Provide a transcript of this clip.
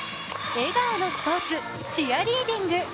笑顔のスポーツチアリーディング。